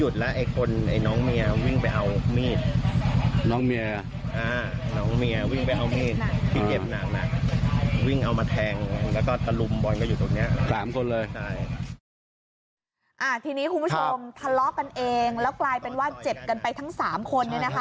ทะเลาะกันเองแล้วกลายเป็นว่าเจ็บกันไปทั้ง๓คน